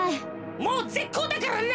もうぜっこうだからな。